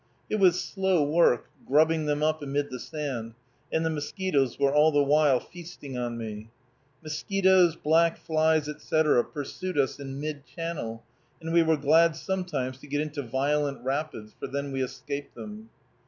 It was slow work, grubbing them up amid the sand, and the mosquitoes were all the while feasting on me. Mosquitoes, black flies, etc., pursued us in mid channel, and we were glad sometimes to get into violent rapids, for then we escaped them.